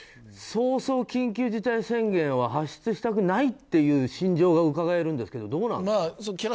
そうそう緊急事態宣言は発出したくないという心情がうかがえるんですけどどうなんですか。